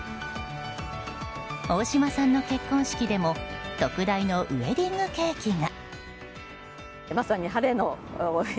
大島さんの結婚式でも特大のウェディングケーキが。